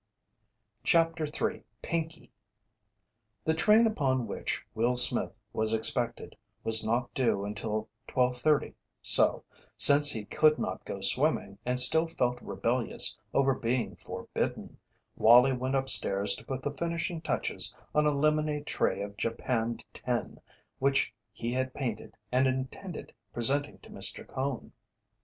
CHAPTER III "PINKEY" The train upon which Will Smith was expected was not due until twelve thirty, so, since he could not go swimming and still felt rebellious over being forbidden, Wallie went upstairs to put the finishing touches on a lemonade tray of japanned tin which he had painted and intended presenting to Mr. Cone.